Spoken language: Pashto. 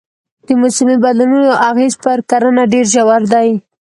د موسمي بدلونونو اغېز پر کرنه ډېر ژور دی.